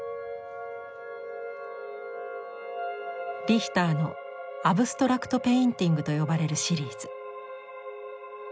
リヒターの「アブストラクト・ペインティング」と呼ばれるシリーズ。